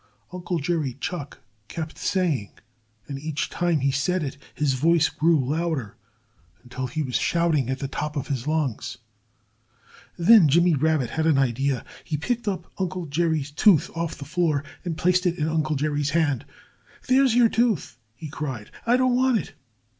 Uncle Jerry Chuck kept saying. And each time he said it, his voice grew louder, until he was shouting at the top of his lungs. Then Jimmy Rabbit had an idea. He picked up Uncle Jerry's tooth off the floor and placed it in Uncle Jerry's hand. "There's your tooth!" he cried. "I don't want it!"